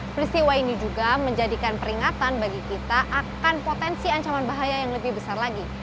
peristiwa ini juga menjadikan peringatan bagi kita akan potensi ancaman bahaya yang lebih besar lagi